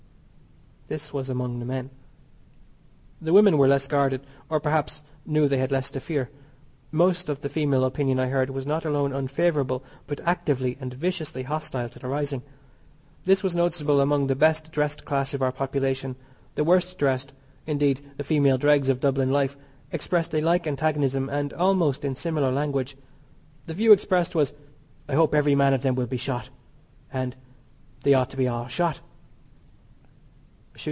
This was among the men. The women were less guarded, or, perhaps, knew they had less to fear. Most of the female opinion I heard was not alone unfavourable but actively and viciously hostile to the rising. This was noticeable among the best dressed class of our population; the worst dressed, indeed the female dregs of Dublin life, expressed a like antagonism, and almost in similar language. The view expressed was "I hope every man of them will be shot." And "They ought to be all shot."